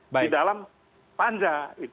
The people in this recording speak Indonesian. di dalam panja